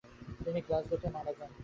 তিনি গ্লাসগোতে মারা যান।